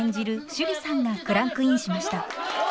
趣里さんがクランクインしました。